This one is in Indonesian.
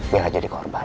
bella jadi korban